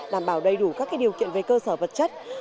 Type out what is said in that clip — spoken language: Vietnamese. đảm bảo đầy đủ các điều kiện về cơ sở vật chất